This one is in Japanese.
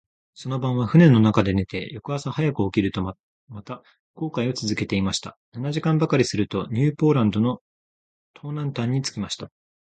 その晩は舟の中で寝て、翌朝早く起きると、また航海をつづけました。七時間ばかりすると、ニューポランドの東南端に着きました。